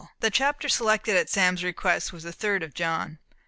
The chapter selected at Sam's request was the third of John.